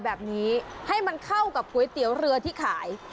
แบบนี้ให้มันเข้ากับก๋วยเตี๋ยวเรือที่ขาย